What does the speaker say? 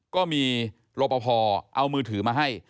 ก็มีรปภเอามือถือมาให้